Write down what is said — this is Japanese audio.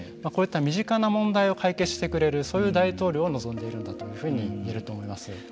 こういった身近な問題を解決してくれるそういう大統領を望んでいるんだというふうにいえると思います。